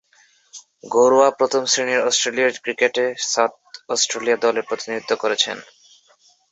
ঘরোয়া প্রথম-শ্রেণীর অস্ট্রেলীয় ক্রিকেটে সাউথ অস্ট্রেলিয়া দলের প্রতিনিধিত্ব করেছেন।